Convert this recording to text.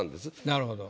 なるほど。